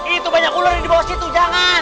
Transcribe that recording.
itu banyak ular yang dibawah situ jangan